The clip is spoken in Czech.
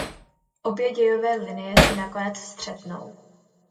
Obě dějové linie se nakonec střetnou.